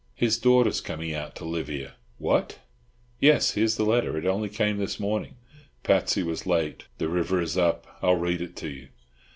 "His daughter's coming out to live here." "What?" "Yes, here's the letter. It only came this morning. Patsy was late, the river is up. I'll read it to you."